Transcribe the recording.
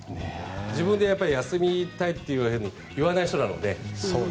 自分で休みたいと言わない人なので。